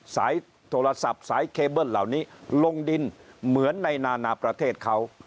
สายโทรศัพท์สายเคเบิ้ลเหล่านี้ลงดินเหมือนในนานาประเทศเขา